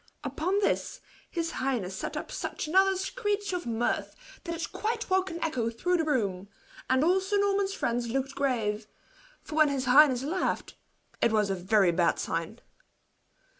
Upon this, his highness net up such another screech of mirth that it quite woke an echo through the room; and all Sir Norman's friends looked grave; for when his highness laughed, it was a very bad sign.